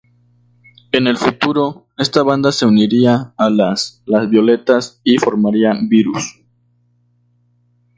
En el futuro esta banda se uniría a las Las Violetas y formarían Virus.